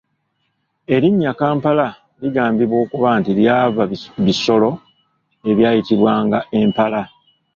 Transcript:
Erinnya Kampala ligambibwa okuba nti lyava bisolo ebwayitibwanga empala.